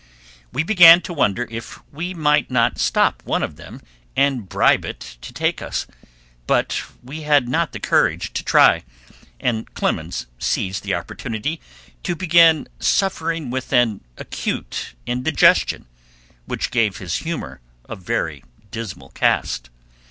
We began to wonder if we might not stop one of them and bribe it to take us, but we had not the courage to try, and Clemens seized the opportunity to begin suffering with an acute indigestion, which gave his humor a very dismal cast.